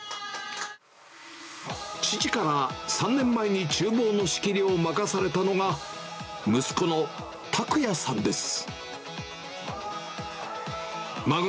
父から３年前にちゅう房の仕切りを任されたのが、息子の拓哉さんです。